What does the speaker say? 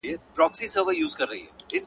بو ډا تللی دی پر لار د پخوانیو-